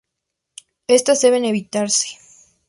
Estas deben evitarse.